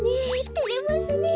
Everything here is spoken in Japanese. てれますねえ。